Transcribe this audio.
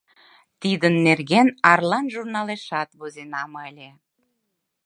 Тидын нерген «Арлан» журналешат возенам ыле.